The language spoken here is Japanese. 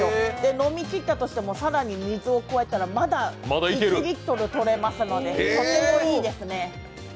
飲みきったとしても更に水を加えたらまだ１リットル取れますのでとてもいいですね。